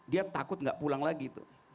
dia takut tidak pulang lagi